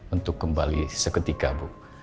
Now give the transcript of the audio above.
untuk kembali seketika bu